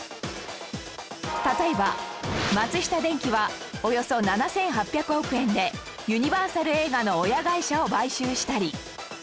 例えば松下電器はおよそ７８００億円でユニバーサル映画の親会社を買収したり